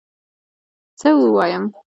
څه ووایم